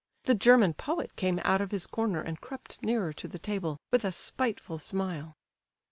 The German poet came out of his corner and crept nearer to the table, with a spiteful smile.